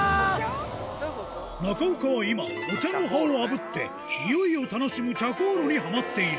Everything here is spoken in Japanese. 中岡は今、お茶の葉をあぶって、匂いを楽しむ茶香炉にはまっている。